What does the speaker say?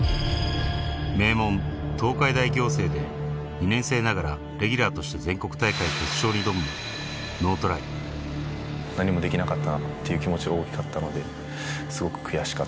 名門東海大仰星で２年生ながらレギュラーとして全国大会決勝に挑むもノートライっていう気持ちが大きかったので。